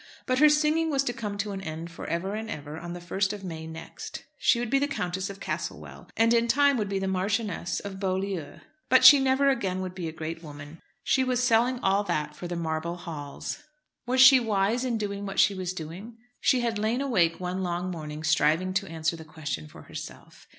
But her singing was to come to an end for ever and ever on the 1st of May next. She would be the Countess of Castlewell, and in process of time would be the Marchioness of Beaulieu. But she never again would be a great woman. She was selling all that for the marble halls. Was she wise in what she was doing? She had lain awake one long morning striving to answer the question for herself.